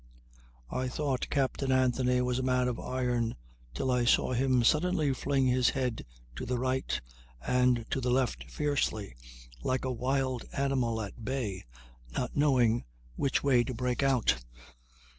"I thought Captain Anthony was a man of iron till I saw him suddenly fling his head to the right and to the left fiercely, like a wild animal at bay not knowing which way to break out